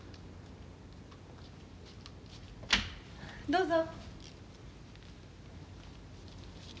どうぞ。